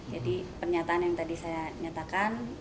jadi pernyataan yang tadi saya nyatakan